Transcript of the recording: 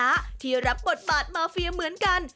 มิคทองระยะที่รับบทบาทมาเฟียเหมือนกัน